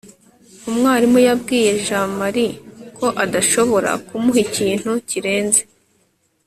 umwarimu yabwiye jamali ko adashobora kumuha ikintu kirenze